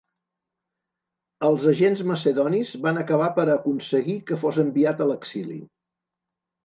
Els agents macedonis van acabar per aconseguir que fos enviat a l'exili.